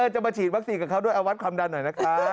จะมาฉีดวัคซีนกับเขาด้วยเอาวัดความดันหน่อยนะคะ